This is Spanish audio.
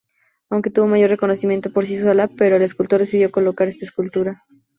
Aunque tuvo mayor reconocimiento por sí sola, pero el escultor decidió colocar esta escultura.